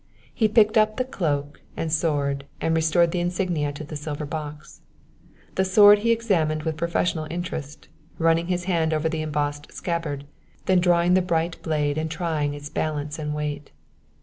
He picked up the cloak and sword and restored the insignia to the silver box. The sword he examined with professional interest, running his hand over the embossed scabbard, then drawing the bright blade and trying its balance and weight.